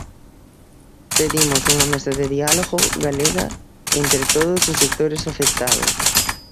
Pedimos unha mesa de diálogo galega entre todos os sectores afectados.